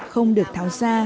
không được tháo ra